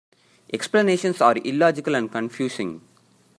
Explanations are illogical and confusing.